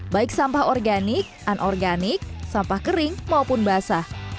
baik sampah organik anorganik sampah kering maupun basah